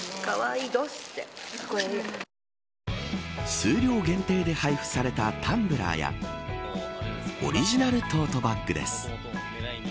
数量限定で配布されたタンブラーやオリジナルトートバッグです。